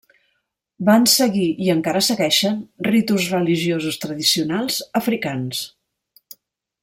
Van seguir, i encara segueixen, ritus religiosos tradicionals africans.